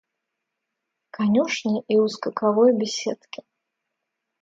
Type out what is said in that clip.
В конюшне и у скаковой беседки.